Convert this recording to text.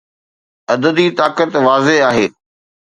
عددي طاقت واضح آهي.